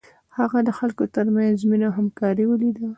هغه د خلکو تر منځ مینه او همکاري ولیده.